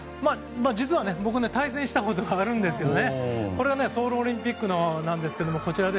実は僕、対戦したことがあるんですよね。ソウルオリンピックなんですが。